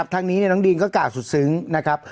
ทั้งนี้น้องดีนก็กล่าวสุดซึ้งนะครับ